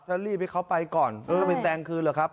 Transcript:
ถ้ารีบให้เขาไปก่อนก็ไปแซงคืนเลยครับ